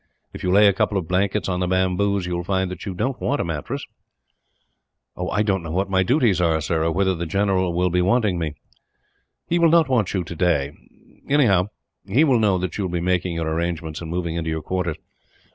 If you lay a couple of blankets on the bamboos, you will find that you don't want a mattress." "I don't know what my duties are, sir, or whether the general will be wanting me." "He will not want you, today. Anyhow, he will know that you will be making your arrangements, and moving into your quarters.